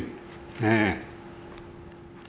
ねえ。